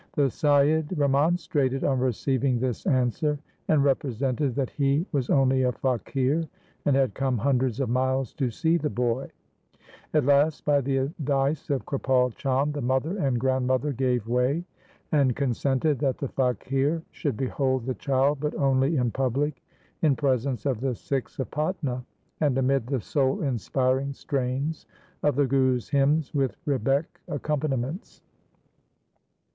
The Saiyid remonstrated on receiving this answer, and represented that he was only a faqir, and had come hundreds of miles to see the boy. At last, by the advice of Kripal Chand, the mother and grand mother gave way, and consented that the faqir LIFE OF GURU TEG BAHADUR 359 should behold the child but only in public, in presence of the Sikhs of Patna, and amid the soul inspiring strains of the Gurus' hymns with rebeck accom paniments.